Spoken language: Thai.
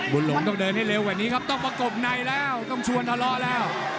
หลงต้องเดินให้เร็วกว่านี้ครับต้องประกบในแล้วต้องชวนทะเลาะแล้ว